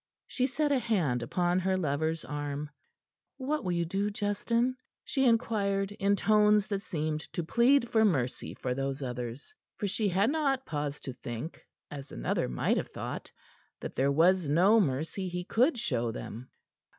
She set a hand upon her lover's arm. "What will you do, Justin?" she inquired in tones that seemed to plead for mercy for those others; for she had not paused to think as another might have thought that there was no mercy he could show them.